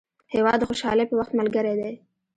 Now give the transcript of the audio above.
هېواد د خوشحالۍ په وخت ملګری دی.